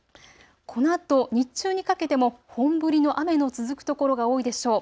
このあと日中にかけても本降りの雨の続く所が多いでしょう。